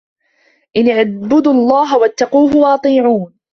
أَنِ اعبُدُوا اللَّهَ وَاتَّقوهُ وَأَطيعونِ